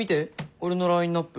俺のラインナップ。